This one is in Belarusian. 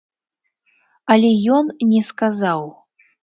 Але ён не сказаў.